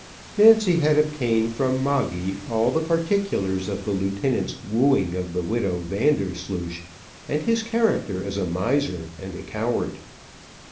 Nancy had obtained from Moggy all the particulars of the lieutenant's wooing of the widow Vandersloosh, and his character as a miser and a coward.